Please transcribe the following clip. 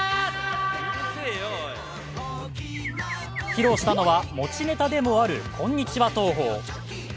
披露したのは、持ちネタでもあるこんにちは投法。